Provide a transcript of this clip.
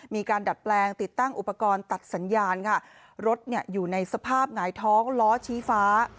ดัดแปลงติดตั้งอุปกรณ์ตัดสัญญาณค่ะรถเนี่ยอยู่ในสภาพหงายท้องล้อชี้ฟ้า